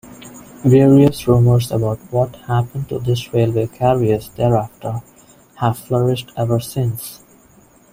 Various rumors about what happened to this railway-carriage thereafter, have flourished ever since.